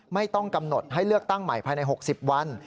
ไม่ต้องกำหนดให้เลือกตั้งใหม่ภายใน๖๐วัน